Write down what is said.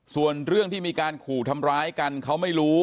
ส่วนเรื่องที่มีการขู่ทำร้ายกันเขาไม่รู้